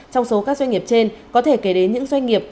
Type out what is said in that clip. trong số các doanh nghiệp trên có thể kể đến những doanh nghiệp